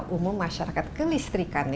umum masyarakat kelistrikan